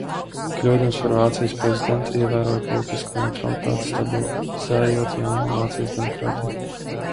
Kļūdams par Vācijas prezidentu, ievēroja politisku neitralitāti, stabilizējot jauno Vācijas demokrātiju.